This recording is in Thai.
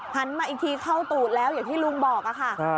มาอีกทีเข้าตูดแล้วอย่างที่ลุงบอกค่ะ